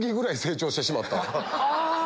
あ！